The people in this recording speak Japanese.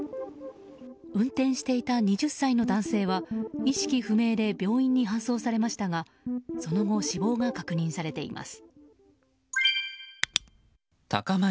運転していた２０歳の男性は意識不明で病院に搬送されましたがその後、死亡が確認されています。